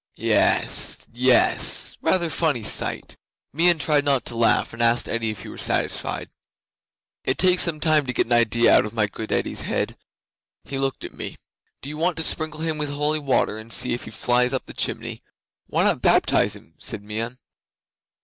Yes yess! A rather funny sight! Meon tried not to laugh, and asked Eddi if he were satisfied. 'It takes some time to get an idea out of my good Eddi's head. He looked at me. '"Do you want to sprinkle him with holy water, and see if he flies up the chimney? Why not baptize him?" said Meon.